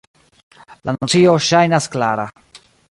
La nocio ŝajnas klara“.